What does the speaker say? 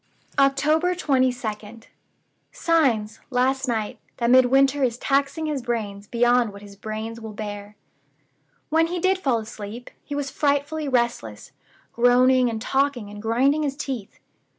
"October 22d. Signs, last night, that Midwinter is taxing his brains beyond what his brains will bear. When he did fall asleep, he was frightfully restless; groaning and talking and grinding his teeth.